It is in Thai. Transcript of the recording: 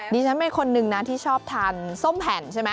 ดิฉันเป็นคนนึงนะที่ชอบทานส้มแผ่นใช่ไหม